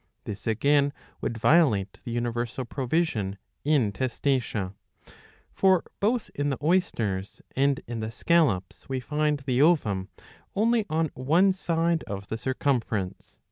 This again would violate the universal provision in Testacea. For both in the Oysters and in the Scallops we find the ovum only on one side of the circumference.